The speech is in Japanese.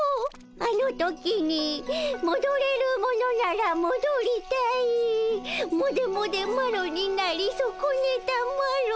「あの時にもどれるものならもどりたいモデモデマロになりそこねたマロ」